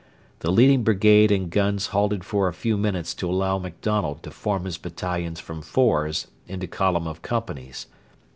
The leading brigade and guns halted for a few minutes to allow MacDonald to form his battalions from 'fours' into column of companies.